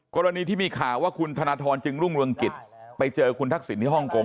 กรณีที่มีข่าวว่าคุณธนทรจึงรุ่งเรืองกิจไปเจอคุณทักษิณที่ฮ่องกง